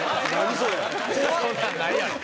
そりゃそんなんないやろ。